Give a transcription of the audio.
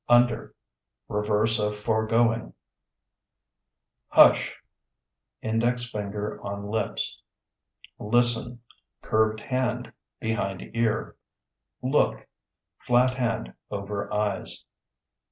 Under (Reverse of foregoing). Hush (Index finger on lips). Listen (Curved hand behind ear). Look (Flat hand over eyes).